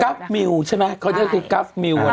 กัฟมิวใช่ไหมเขาเรียกว่ากัฟมิวอะไรอย่างนี้ใช่ไหม